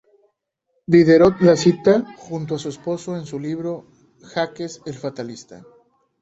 Diderot la cita junto a su esposo en su libro "Jacques el fatalista".